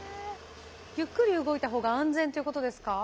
ゆっくり動いた方が安全ということですか？